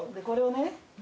これをね